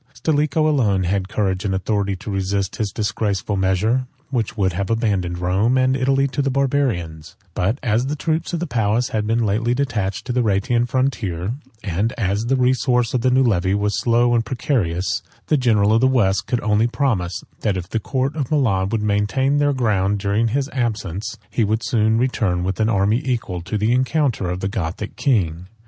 Stilicho alone 34 had courage and authority to resist his disgraceful measure, which would have abandoned Rome and Italy to the Barbarians; but as the troops of the palace had been lately detached to the Rhaetian frontier, and as the resource of new levies was slow and precarious, the general of the West could only promise, that if the court of Milan would maintain their ground during his absence, he would soon return with an army equal to the encounter of the Gothic king.